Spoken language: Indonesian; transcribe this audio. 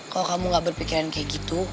kok kamu gak berpikiran kayak gitu